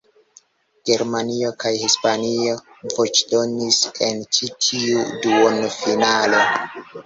Germanio kaj Hispanio voĉdonis en ĉi tiu duonfinalo.